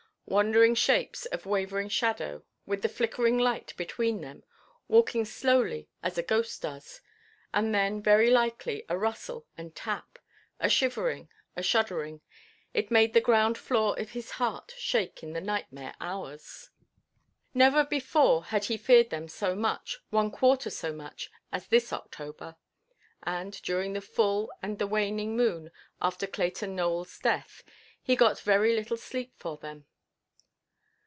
Wandering shapes of wavering shadow, with the flickering light between them, walking slowly as a ghost does, and then very likely a rustle and tap, a shivering, a shuddering; it made the ground–floor of his heart shake in the nightmare hours. Never before had he feared them so much, one quarter so much, as this October; and, during the full and the waning moon after Clayton Nowellʼs death, he got very little sleep for them.